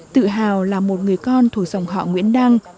tự hào là một người con thuộc dòng họ nguyễn đăng